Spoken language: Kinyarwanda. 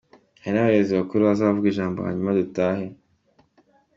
Hari n’abayobozi bakuru bazavuga ijambo hanyuma dutahe.